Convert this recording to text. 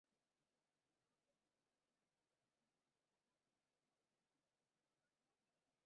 Horrez gain, erresistentziak tratamendu antibiotiko egokiaren atzerapena dakar.